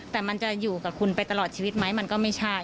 แต่มันจะอยู่กับคุณไปตลอดชีวิตไหมมันก็ไม่ใช่